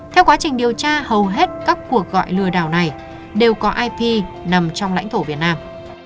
theo quá trình điều tra hầu hết các cuộc gọi lừa đảo này đều có ip nằm trong lãnh thổ việt nam